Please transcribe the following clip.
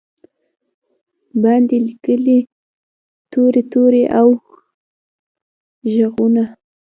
باندې لیکې توري، توري او ږغونه